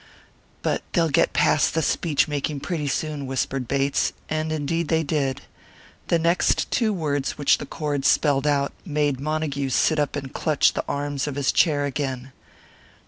"But they'll get past the speech making pretty soon," whispered Bates; and indeed they did. The next two words which the cord spelled out made Montague sit up and clutch the arms of his chair again.